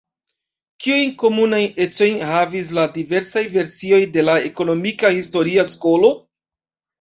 Kiujn komunajn ecojn havis la diversaj versioj de la ekonomika historia skolo?